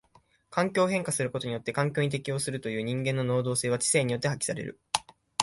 環境を変化することによって環境に適応するという人間の能動性は知性によって発揮される。